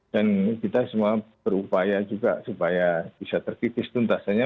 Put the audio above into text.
dan kita semua berupaya juga supaya bisa terkipis tuntasannya